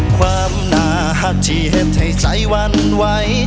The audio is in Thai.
ความน่าหักที่เห็นให้ใส่วันไหว